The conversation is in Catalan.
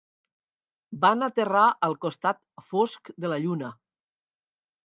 Van aterrar al costat fosc de la lluna.